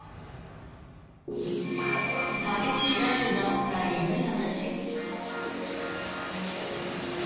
激しい雷雨があった犬山市。